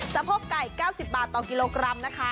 สะโพกไก่๙๐บาทต่อกิโลกรัมนะคะ